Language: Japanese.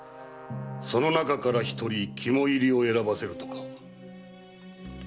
その中からひとり肝煎を選ばせるとか。